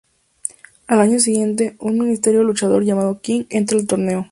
Al año siguiente, un misterioso luchador llamado King entra al torneo.